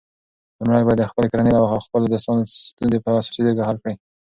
لومړی باید د خپلې کورنۍ او خپلو دوستانو ستونزې په اساسي توګه حل کړې.